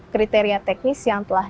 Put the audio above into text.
kriteria teknis yang telah